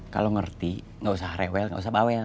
kalau ngerti enggak usah rewel enggak usah bawel